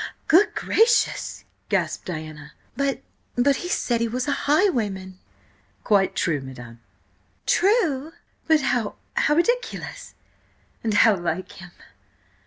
"Good–gracious!" gasped Diana. "B but he said he was a highwayman!" "Quite true, madam." "True? But how–how ridiculous–and how like him!"